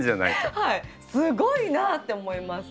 すごいなって思います。